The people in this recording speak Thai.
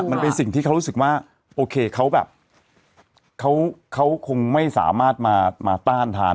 มันเป็นสิ่งที่เขารู้สึกว่าโอเคเขาแบบเขาคงไม่สามารถมาต้านทาน